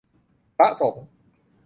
พระสงฆ์